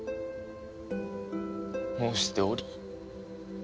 申しており。